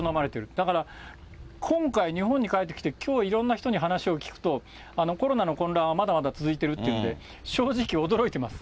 だから今回、日本に帰ってきて、きょう、いろんな人に話を聞くと、コロナの混乱はまだまだ続いているというんで、正直、驚いてます。